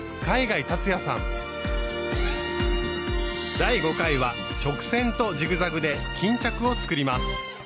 第５回は直線とジグザグで巾着を作ります。